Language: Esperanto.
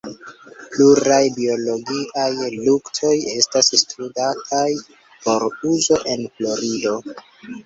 Pluraj biologiaj luktoj estas studataj por uzo en Florido.